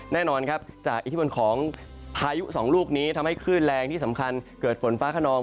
แน่นอนครับจากอิทธิพลของพายุสองลูกนี้ทำให้คลื่นแรงที่สำคัญเกิดฝนฟ้าขนอง